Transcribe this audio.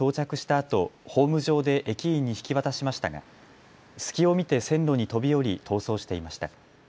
あとホーム上で駅員に引き渡しましたが隙を見て線路に飛び降り逃走していました。